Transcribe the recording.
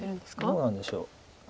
どうなんでしょう。